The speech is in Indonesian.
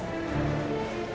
ini semakin seru